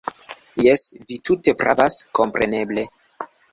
Jes, vi tute pravas, kompreneble!